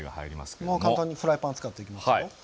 簡単にフライパンを使っていきますよ。